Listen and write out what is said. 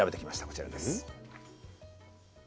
こちらです。